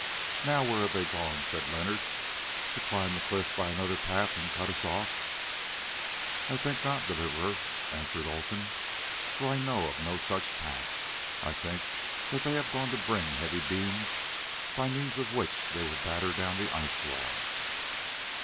"Now where have they gone?" said Leonard—"to climb the cliff by another path and cut us off?" "I think not, Deliverer," answered Olfan, "for I know of no such path. I think that they have gone to bring heavy beams by means of which they will batter down the ice wall."